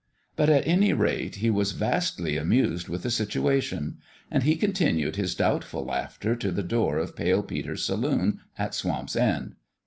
But at any rate, he was vastly amused with the situation ; and he continued his doubtful laughter to the door of Pale Peter's saloon at Swamp's End.